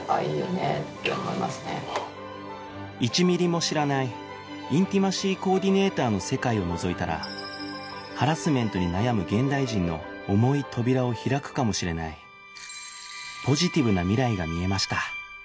１ｍｍ も知らないインティマシー・コーディネーターの世界をのぞいたらハラスメントに悩む現代人の重い扉を開くかもしれないポジティブな未来が見えました